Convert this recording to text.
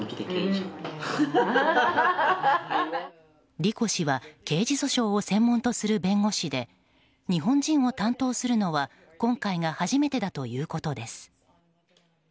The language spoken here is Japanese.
リコ氏は刑事訴訟を専門とする弁護士で日本人を担当するのは今回が初めてだということです。